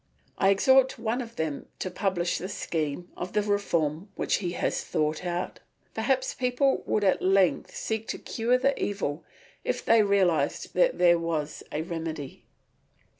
I exhort one of them to publish the scheme of reform which he has thought out. Perhaps people would at length seek to cure the evil if they realised that there was a remedy.